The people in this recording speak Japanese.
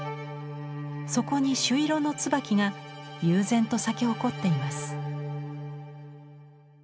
そこに朱色のツバキが悠然と咲き誇っています。